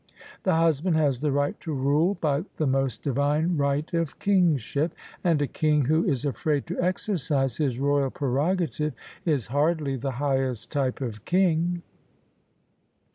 The husband has the right to rule by the most divine right of kingship: and a king who is afraid to exercise his royal prerogative Is hardly the highest type of king.